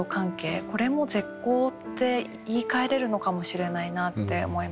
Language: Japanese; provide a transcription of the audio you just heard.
これも絶交って言いかえれるのかもしれないなって思いましたね。